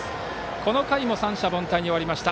この回も三者凡退に終わりました。